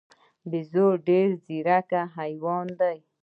بیزو ډېر ځیرک حیوان دی.